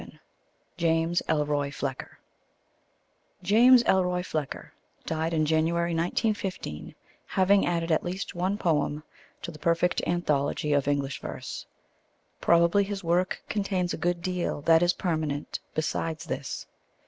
XI JAMES ELROY FLECKER James Elroy Flecker died in January 1915, having added at least one poem to the perfect anthology of English verse. Probably his work contains a good deal that is permanent besides this.